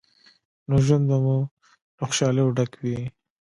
نو ژوند به مو له خوشحالیو څخه ډک وي.